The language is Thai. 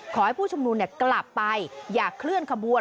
ขอให้ผู้ชุมนุมกลับไปอย่าเคลื่อนขบวน